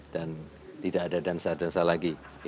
dan tidak ada dansa dansa lagi